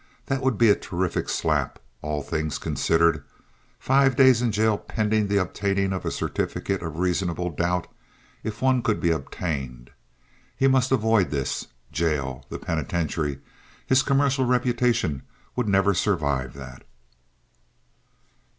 That would be a terrific slap, all things considered. Five days in jail pending the obtaining of a certificate of reasonable doubt, if one could be obtained! He must avoid this! Jail! The penitentiary! His commercial reputation would never survive that.